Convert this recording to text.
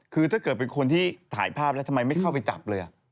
คือถ้าเกิดเป็นคนที่ถ่ายภาพแล้วทำไมไม่เข้าไปจับเลย